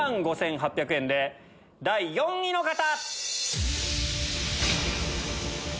１万５８００円で第４位の方！